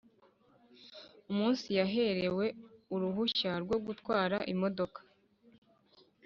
Umunsi yaherewe uruhushya rwo gutwara Imodoka